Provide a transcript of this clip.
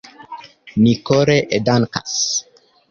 Ni kore dankas.